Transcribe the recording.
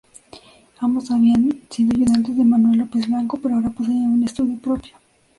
Ambos habían sido ayudantes de Manuel López Blanco, pero ahora poseían un estudio propio.